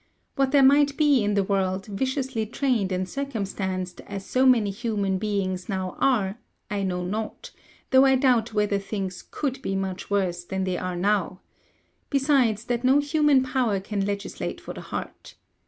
What there might be in the world, viciously trained and circumstanced as so many human beings now are, I know not, though I doubt whether things could be much worse than they are now; besides that no human power can legislate for the heart.